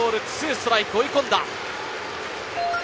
ストライク、追い込んだ。